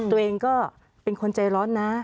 ตัวเองก็เป็นคนใจร้อนนะ